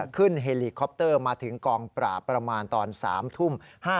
เฮลีคอปเตอร์มาถึงกองปราบประมาณตอน๓ทุ่ม